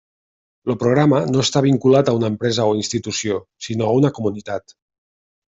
El programa no està vinculat a una empresa o institució, sinó a una comunitat.